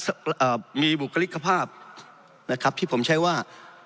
เอ่อมีบุคลิกภาพนะครับที่ผมใช้ว่า